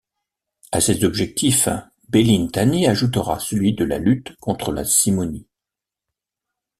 À ces objectifs, Bellintani ajoutera celui de la lutte contre la simonie.